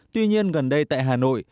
tuy nhiên gần đây tại hà nội